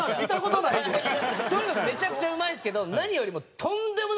とにかくめちゃくちゃうまいんですけど何よりも。